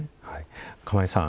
釜井さん